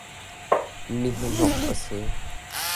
Mi hnahnok a si.